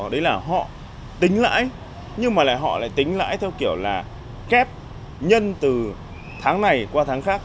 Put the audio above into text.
đấy là họ tính lãi nhưng mà họ lại tính lãi theo kiểu là kép nhân từ tháng này qua tháng khác